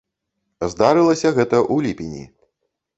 Здарылася гэта ў ліпені.